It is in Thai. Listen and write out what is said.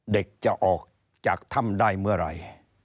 เด็กจะออกจากถ้ำได้เมื่อไหร่